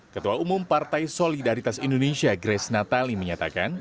ketua umum partai solidaritas indonesia grace natali menyatakan